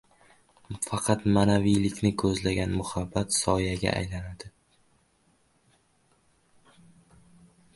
Faqat ma’naviylikni ko‘zlagan muhabbat soyaga aylanadi;